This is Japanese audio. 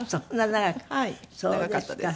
長かったです。